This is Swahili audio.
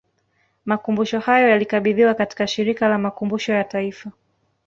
Makumbusho hayo yalikabidhiwa katika Shirika la Makumbusho ya Taifa